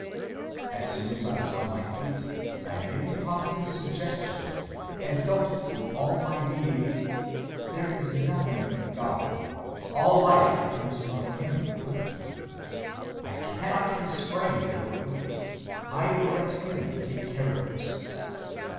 As soon as I was on my feet I made the positive suggestion (and felt it through all my being): 'There is nothing but God, all life comes from him perfectly. I cannot be sprained or hurt, I will let him take care of it.